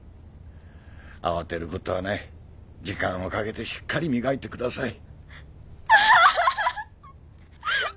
慌てることはない時間をかけてしっかり磨いてください。